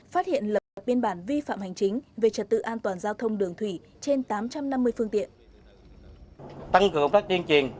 phát hiện lập biên bản vi phạm hành chính về trật tự an toàn giao thông đường thủy trên tám trăm năm mươi phương tiện